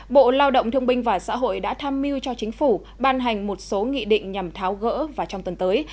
bộ lao động thương binh và xã hội đã tham mưu cho chính phủ ban hành một số nghị định nhằm tháo gỡ và trong tuần tới